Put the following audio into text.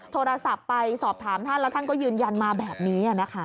โทรศัพท์ไปสอบถามท่านแล้วท่านก็ยืนยันมาแบบนี้นะคะ